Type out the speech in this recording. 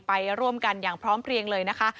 ไปร่วมกันอย่างพร้อมเพลียงเลยนะคะ